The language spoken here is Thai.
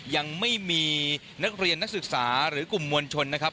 ยังไม่มีนักเรียนนักศึกษาหรือกลุ่มมวลชนนะครับ